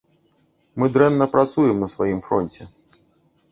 Мы дрэнна працуем на сваім фронце.